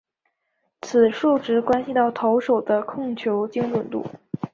此数值关系到投手的控球精准度。